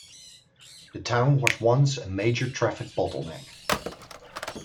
The town was once a major traffic bottleneck.